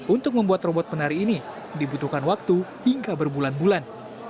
untuk membuat robot penari ini dibutuhkan waktu hingga berbulan bulan